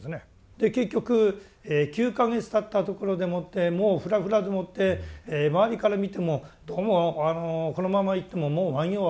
で結局９か月たったところでもってもうふらふらでもって周りから見てもどうもこのままいってももう満行はおぼつかないだろうって。